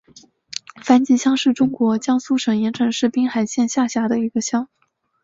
樊集乡是中国江苏省盐城市滨海县下辖的一个乡。